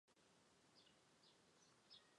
至和二年充镇海军节度使判亳州。